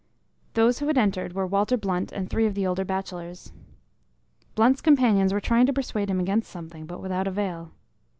Those who had entered were Walter Blunt and three of the older bachelors. Blunt's companions were trying to persuade him against something, but without avail.